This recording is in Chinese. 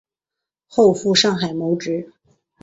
后赴上海谋职。